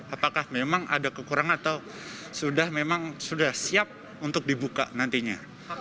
apakah memang ada kekurangan atau sudah memang sudah siap untuk dibuka nantinya